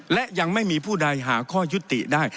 และยังไม่มีผู้ใดหาข้อยุติได้